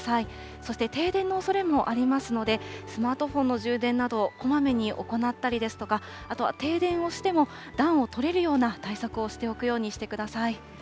そして停電のおそれもありますので、スマートフォンの充電など、こまめに行ったりですとか、あとは停電をしても暖をとれるような対策をしておくようにしてください。